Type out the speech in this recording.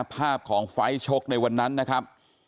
ภาพของไฟล์ชกในวันนั้นนะครับ